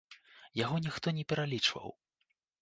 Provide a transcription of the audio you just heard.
Яго ніхто не пралічваў.